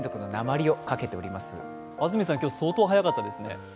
安住さん、今日、相当早かったですね。